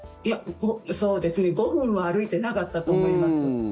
そうですね、５分も歩いてなかったと思います。